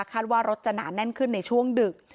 ว่ารถจะหนาแน่นขึ้นในช่วงดึก